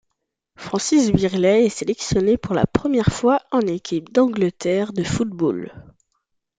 Francis Birley est sélectionné pour la première fois en équipe d'Angleterre de football.